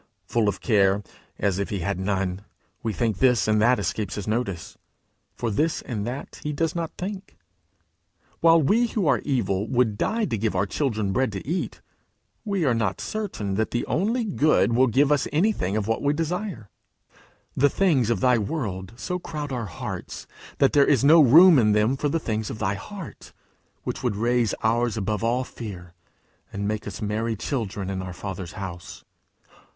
Full of care, as if he had none, we think this and that escapes his notice, for this and that he does not think! While we who are evil would die to give our children bread to eat, we are not certain the only Good will give us anything of what we desire! The things of thy world so crowd our hearts, that there is no room in them for the things of thy heart, which would raise ours above all fear, and make us merry children in our Father's house!